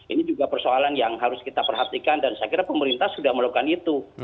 ini juga persoalan yang harus kita perhatikan dan saya kira pemerintah sudah melakukan itu